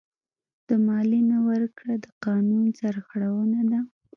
د مالیې نه ورکړه د قانون سرغړونه ده.